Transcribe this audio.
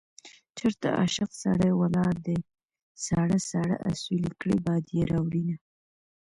چېرته عاشق سړی ولاړ دی ساړه ساړه اسويلي کړي باد يې راوړينه